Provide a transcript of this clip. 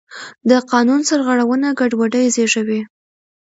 د قانون سرغړونه ګډوډي زېږوي